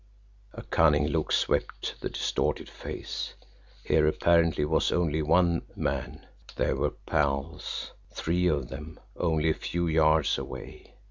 A cunning look swept the distorted face. Here, apparently, was only one man there were pals, three of them, only a few yards away.